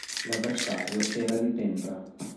L’avversario era di tempra.